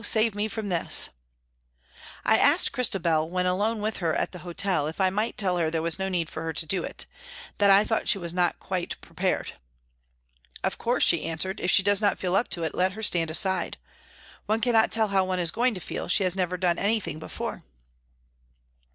save me from this !" I asked Christabel, when alone with her at the hotel, if I might tell her there was no need for her to do it, that I thought she was not quite pre pared. " Of course," she answered, " if she does not feel up to it, let her stand aside. One cannot tell how one is going to feel, she has never done anything before."